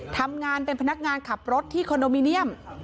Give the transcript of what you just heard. ทำงานเป็นพนักงานขับรถที่คอนโดมิเนียม